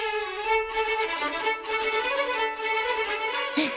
うん！